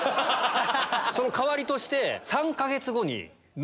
その代わりとして。